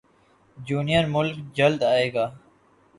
junior Malik جلد ائے گا